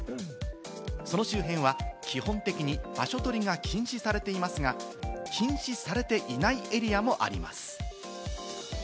その周辺は基本的に場所取りが禁止されていますが、禁止されていないエリアもあります。